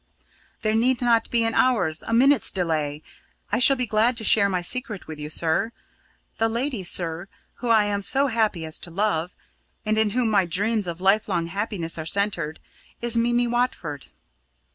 "There need not be an hour's, a minute's delay. I shall be glad to share my secret with you, sir. The lady, sir, whom I am so happy as to love, and in whom my dreams of life long happiness are centred, is Mimi Watford!"